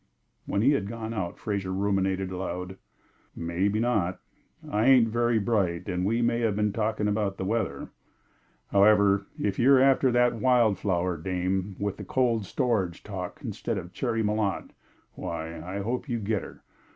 When he had gone out, Fraser ruminated aloud: "Maybe not! I ain't very bright, and we may have been talking about the weather. However, if you're after that wild flower dame with the cold storage talk instead of Cherry Malotte, why, I hope you get her.